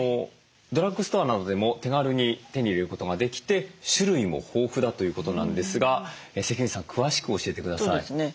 ドラッグストアなどでも手軽に手に入れることができて種類も豊富だということなんですが関口さん詳しく教えてください。